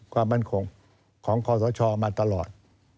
ความมั่นคงของคอสชมาตลอด